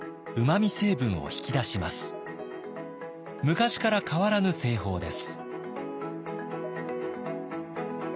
昔から変わらぬ製法です。